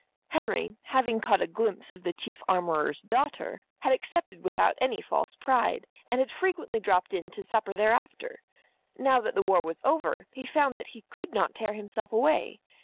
Henry, having caught a glimpse of the Chief Armourer's daughter, had accepted without any false pride, and had frequently dropped in to supper thereafter. Now that the war was over, he found that he could not tear himself away.